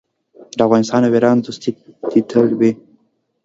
د افغانستان او ایران دوستي دې تل وي.